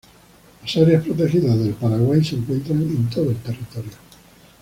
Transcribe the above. Las áreas protegidas del Paraguay se encuentran en todo el territorio.